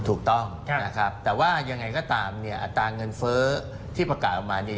ถูกต้องนะครับแต่ว่ายังไงก็ตามเนี่ยอัตราเงินเฟ้อที่ประกาศออกมาเนี่ย